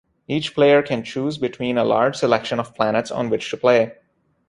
Each player can choose between a large selection of planets on which to play.